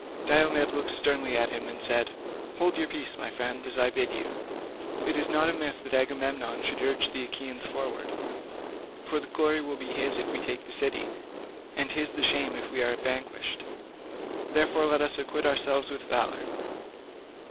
Diomed looked sternly at him and said, "Hold your peace, my friend, as I bid you. It is not amiss that Agamemnon should urge the Achaeans forward, for the glory will be his if we take the city, and his the shame if we are vanquished. Therefore let us acquit ourselves with valour."